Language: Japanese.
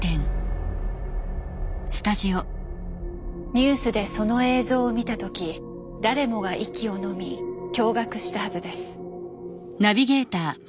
ニュースでその映像を見た時誰もが息をのみ驚がくしたはずです。